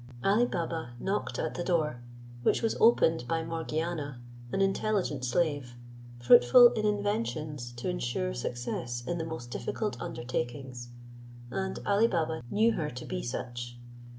Ali Baba knocked at the door, which was opened by Morgiana, an intelligent slave, fruitful in inventions to insure success in the most difficult undertakings: and Ali Baba knew her to be such.